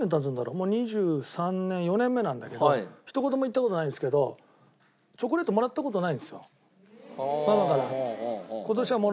もう２３年２４年目なんだけどひと言も言った事ないんですけどチョコレートもらった事ないんですよママから。